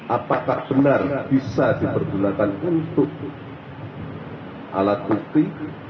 apakah benar bisa dipergunakan untuk alat bukti